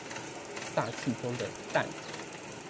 大氣中的氮